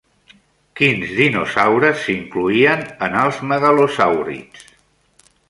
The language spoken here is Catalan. Quins dinosaures s'hi incloïen en els megalosàurids?